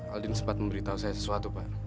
aldin sempat memberitahu saya sesuatu pak